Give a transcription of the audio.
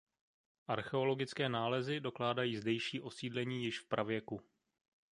Archeologické nálezy dokládají zdejší osídlení již v pravěku.